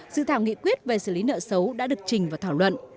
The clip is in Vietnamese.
dự thảo nghị quyết về xử lý nợ xấu đã được trình và thảo luận